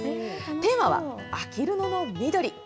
テーマはあきる野の緑。